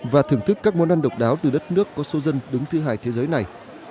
và thưởng thức các món ăn độc đáo từ đất nước có số dân đứng thứ hai thế giới này